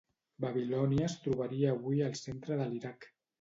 Babilònia es trobaria avui al centre de l'Iraq.